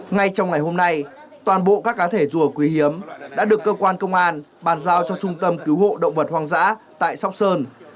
ngay trong ngày hôm nay toàn bộ các cá thể rùa quý hiếm đã được cơ quan công an bàn giao cho trung tâm cứu hộ động vật hoang dã tại sóc sơn